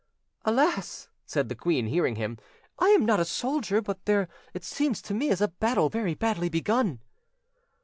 "Alas!" said the queen, hearing him, "I am not a soldier, but there it seems to me is a battle very badly begun."